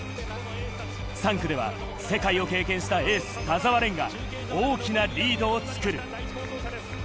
３区では世界を経験したエース・田澤廉が大きなリードを作る。